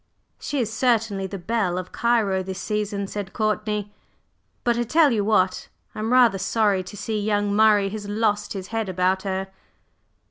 "She is certainly the belle of Cairo this season," said Courtney, "but I tell you what, I am rather sorry to see young Murray has lost his head about her."